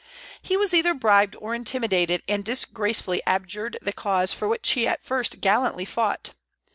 He was either bribed or intimidated, and disgracefully abjured the cause for which he at first gallantly fought.